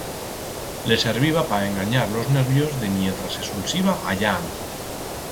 Le serviba pa enganyar los nervios de mientras se sulsiba allá alto.